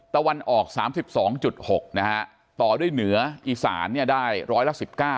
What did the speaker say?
ตะวันออก๓๒๖นะฮะต่อด้วยเหนืออีสานเนี่ยได้ร้อยละ๑๙